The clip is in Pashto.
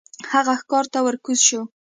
هغه ښکار ته ور کوز شو.